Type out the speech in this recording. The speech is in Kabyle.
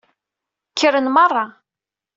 Kkren meṛṛa.